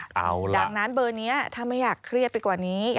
ดังนั้นเบอร์นี้ถ้าไม่อยากเครียดไปกว่านี้